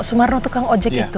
sumarno tukang ojek itu